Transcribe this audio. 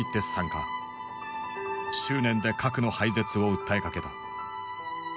執念で核の廃絶を訴えかけた。